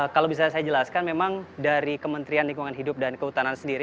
kalau bisa saya jelaskan memang dari kementerian lingkungan hidup dan kehutanan sendiri